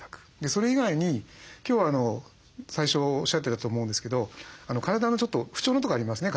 それ以外に今日最初おっしゃってたと思うんですけど体のちょっと不調なとこありますね。